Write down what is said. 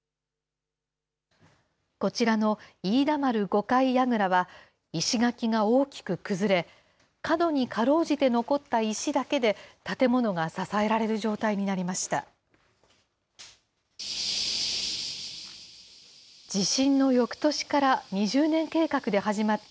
こちらの飯田丸五階櫓は、石垣が大きく崩れ、角にかろうじて残った石だけで建物が支えられる状態になりました。